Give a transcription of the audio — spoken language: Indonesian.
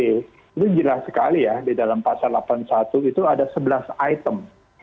itu jelas sekali ya di dalam pasal delapan puluh satu itu ada sebelas item